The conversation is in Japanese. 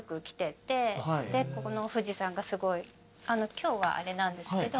今日はあれなんですけど。